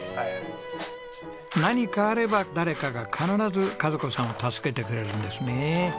何かあれば誰かが必ず和子さんを助けてくれるんですね。